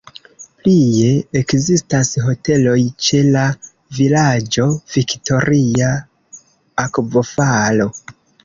Plie ekzistas hoteloj ĉe la vilaĝo "Viktoria Akvofalo".